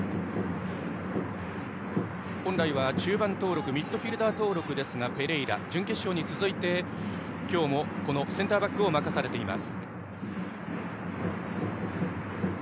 本来は中盤のミッドフィールダー登録のペレイラですが準決勝に続いて今日もセンターバックを任されています。